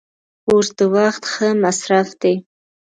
کورس د وخت ښه مصرف دی.